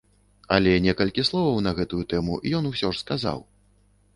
Але некалькі словаў на гэтую тэму ён ўсё ж сказаў.